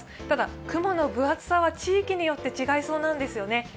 ただ雲の分厚さは地域によって違いそうなんですよね。